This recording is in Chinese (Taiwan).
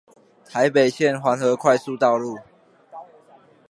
台北縣環河快速道路